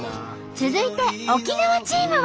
続いて沖縄チームは。